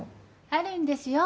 あるんですよ。